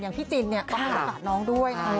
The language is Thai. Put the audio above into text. พี่จินเนี่ยก็ให้โอกาสน้องด้วย